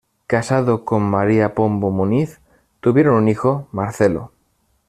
Casado con María Pombo Muniz, tuvieron un hijo, Marcelo.